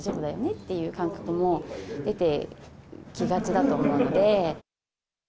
っていう感覚も出てきがちだと思うので。